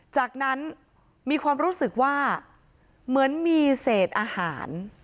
จากนั้นมีความรู้สึกว่าเหมือนมีเศษอาหาร